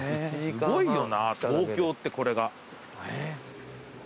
すごいよな東京ってこれが。